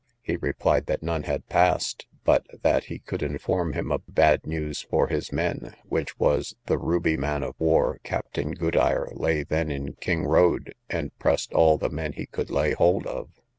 He replied, that none had passed, but that he could inform him of bad news for his men, which was, the Ruby man of war, Captain Goodyre, lay then in King road, and pressed all the men he could lay hold of.